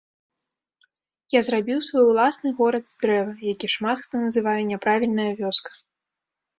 Я зрабіў свой уласны горад з дрэва, які шмат хто называе няправільная вёска.